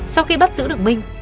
sau khi bắt giữ được minh